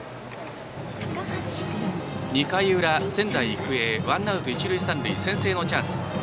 ２回裏、仙台育英ワンアウト一塁三塁と先制のチャンス。